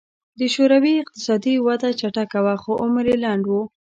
د شوروي اقتصادي وده چټکه وه خو عمر یې لنډ و